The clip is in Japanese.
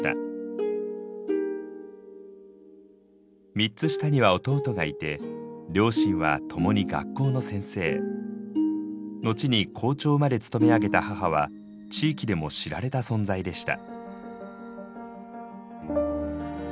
３つ下には弟がいて両親はともに学校の先生。後に校長まで務め上げた母は地域でも知られた存在でした。